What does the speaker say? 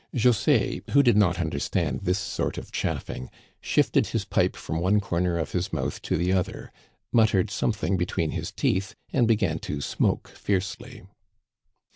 José, who did not understand this sort of chaffing, shifted his pipe from one corner of his mouth to the other, muttered something between his teeth, and began to smoke fiercely.